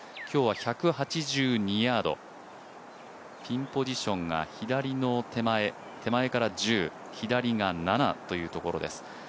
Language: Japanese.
今日は１８２ヤードピンポジションが左の手前手前から１０、左から７というところです。